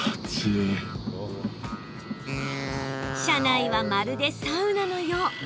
車内は、まるでサウナのよう。